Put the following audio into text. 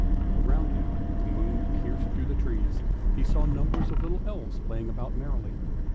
Around him, where the moon pierced through the trees, he saw numbers of little elves playing about merrily.